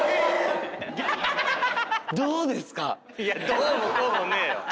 どうもこうもねえよ。